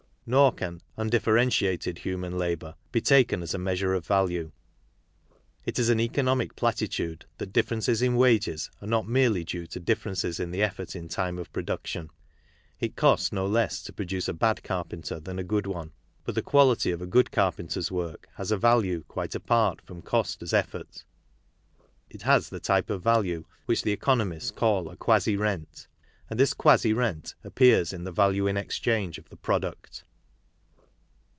Nor can " undifferentiated human labour " be taken as a measure of value. It is an economic platitude that differences in wages are not merely due to differences in the effort in time of production. It costs no less to produce a bad carpenter than a good one, but the guahty of a good_car£enter'^ w ork_has a value quite apart from cost as effort; inkslTieTypFof value which the economists^ call a quasi rent, and this quasi rent appears in the value in exchange of the product.